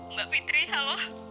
mbak fitri halo